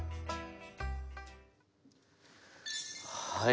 はい。